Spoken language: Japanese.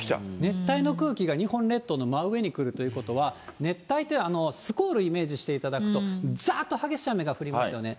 熱帯の空気が日本列島の真上に来るということは、熱帯ってスコール、イメージしていただくと、ざーっと激しい雨が降りますよね。